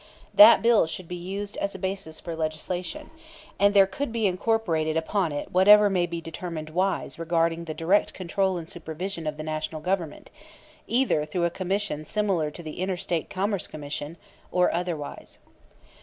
That bill should be used as a basis for legislation, and there could be incorporated upon it whatever may be determined wise regarding the direct control and supervision of the National Government, either through a commission similar to the Inter State Commerce Commission or otherwise."